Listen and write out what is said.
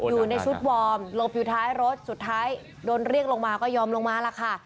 อยู่ในชุดวอร์มหลบอยู่ท้ายรถสุดท้ายโดนเรียกลงมาก็ยอมลงมาล่ะค่ะ